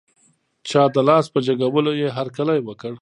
چا د لاس په جګولو یې هر کلی وکړ.